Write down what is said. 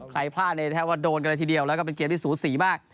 ใครพลาดเนี่ยแทบว่าโดนกันในทีเดียวแล้วก็เป็นเกียรติศูสีมาก